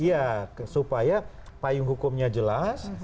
iya supaya payung hukumnya jelas